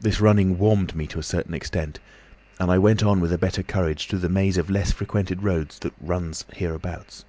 "This running warmed me to a certain extent, and I went on with a better courage through the maze of less frequented roads that runs hereabouts.